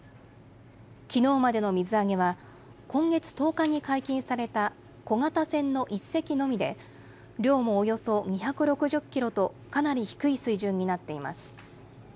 きのうまでの水揚げは、今月１０日に解禁された小型船の１隻のみで、量もおよそ２６０キロと、かなり低い水準になっています。